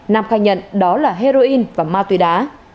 nam khai nhận đó là heroin và ma túy đá